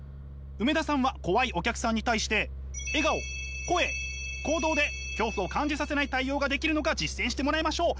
梅田さんは怖いお客さんに対して笑顔声行動で恐怖を感じさせない対応ができるのか実践してもらいましょう！